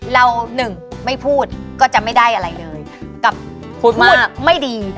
หนึ่งไม่พูดก็จะไม่ได้อะไรเลยกับพูดไม่ดี